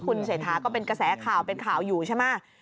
คุณเศรษฐาก็เป็นกระแสข่าวเป็นข่าวอยู่ใช่ไหม